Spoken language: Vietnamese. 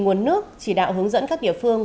nguồn nước chỉ đạo hướng dẫn các địa phương